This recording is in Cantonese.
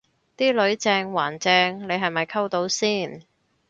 啲女正還正你係咪溝到先